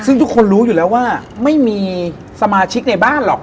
ซึ่งทุกคนรู้อยู่แล้วว่าไม่มีสมาชิกในบ้านหรอก